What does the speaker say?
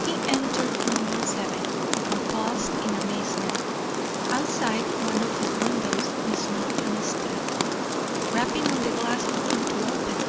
He entered number seven, and paused in amazement. Outside one of his windows Miss Norton stood, rapping on the glass for him to open.